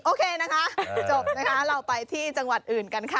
โอเคนะคะจบนะคะเราไปที่จังหวัดอื่นกันค่ะ